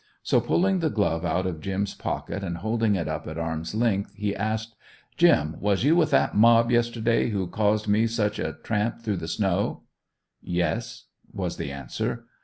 So pulling the glove out of "Jim's" pocket and holding it up at arms length, he asked: "Jim, was you with that mob yesterday who caused me such a tramp through the snow?" "Yes," was the answer.